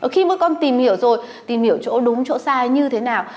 khi mà con tìm hiểu rồi tìm hiểu chỗ đúng chỗ sai như thế nào